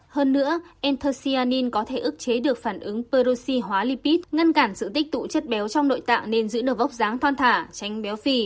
hơn nữa antus anin có thể ức chế được phản ứng peroxi hóa lipid ngăn cản sự tích tụ chất béo trong nội tạng nên giữ được vóc dáng thoan thả tránh béo phì